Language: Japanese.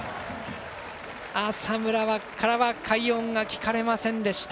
浅村からは快音が聞かれませんでした。